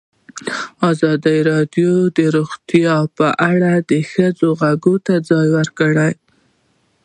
ازادي راډیو د روغتیا په اړه د ښځو غږ ته ځای ورکړی.